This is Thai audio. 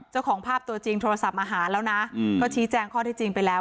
เจ้าของภาพตัวจริงโทรศัพท์มาหาแล้วนะก็ชี้แจงข้อที่จริงไปแล้ว